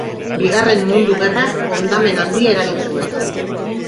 Bigarren Mundu Gerrak hondamen handia eragin zuen.